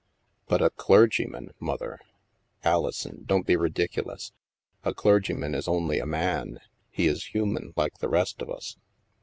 "" But a clergyman, Mother." ''Alison, don't be ridiculous! A clergyman is only a man. He is human, like the rest of us."